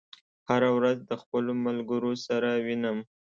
هره ورځ د خپلو ملګرو سره وینم.